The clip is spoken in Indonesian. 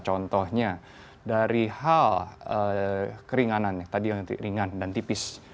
contohnya dari hal keringanan tadi yang ringan dan tipis